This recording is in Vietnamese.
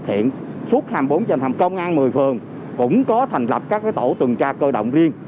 thực hiện suốt hai mươi bốn trên bảy công an một mươi phường cũng có thành lập các tổ tuần tra cơ động riêng